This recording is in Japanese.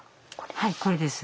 はいこれです。